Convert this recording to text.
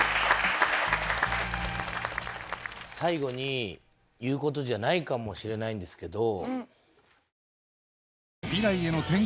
最後に言う事じゃないかもしれないんですけど。